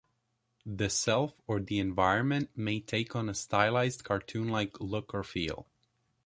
The self or the environment may take on a stylized cartoon-like look or feel.